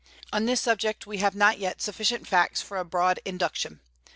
On this subject we have not yet sufficient facts for a broad induction.